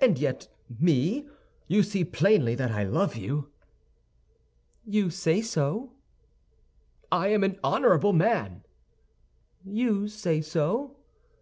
"And yet, me—you see plainly that I love you." "You say so." "I am an honorable man." "You say so."